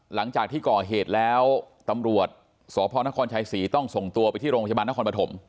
หลังจากที่ก่อเหตุแล้วตำรวจสพนครชัยศรีต้องส่งตัวไปที่โรงพยาบาลนครปฐม